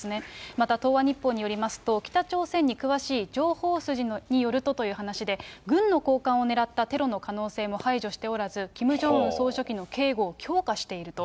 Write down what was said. また東亜日報によりますと、北朝鮮に詳しい情報筋によるとという話で、軍の高官を狙ったテロの可能性も排除しておらず、キム・ジョンウン総書記の警護を強化していると。